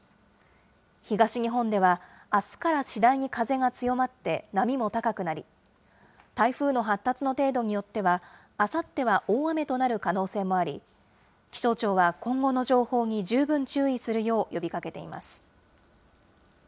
東日本ではあすから次第に風が強まって、波も高くなり、台風の発達の程度によっては、あさっては大雨となる可能性もあり、気象庁は今後の情報に十分注意するよう呼びかけています。